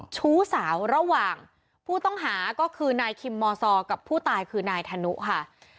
ชู้สาวระหว่างผู้ต้องหาก็คือนายคิมมซอกับผู้ตายคือนายธนุค่ะ